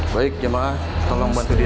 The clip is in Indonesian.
wa rahmatullah wa barakatuh